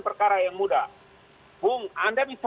perkara yang mudah bung anda bisa